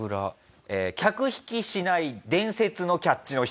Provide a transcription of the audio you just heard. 客引きしない伝説のキャッチの人です。